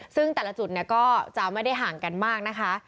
ซึ่งแต่ละจุดก็จะไม่ได้ห่างกันมากนะคะ